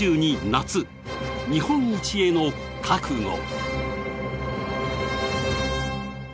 日本一への覚悟。